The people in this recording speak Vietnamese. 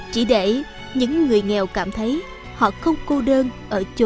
chỉ để những người nghèo cảm thấy họ không cô đơn ở chỗ